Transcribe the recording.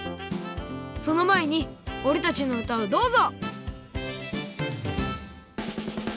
そのまえにおれたちのうたをどうぞ！